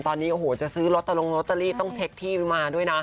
ตอนนี้โอ้โหจะซื้อลอตตรงลอตเตอรี่ต้องเช็คที่มาด้วยนะ